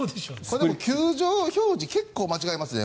でも、球場表示結構、間違いますね。